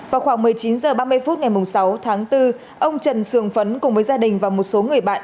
vào khoảng một mươi chín h ba mươi phút ngày sáu tháng bốn ông trần sường phấn cùng với gia đình và một số người bạn